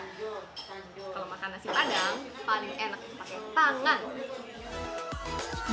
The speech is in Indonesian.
kalau makan nasi padang paling enak pakai tangan